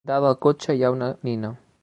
Dalt del cotxe hi ha una nina.